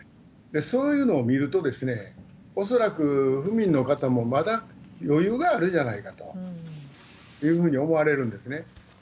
そういうのを見ると、恐らく府民の方も、まだ余裕があるんじゃないかというふうに思われるんですね。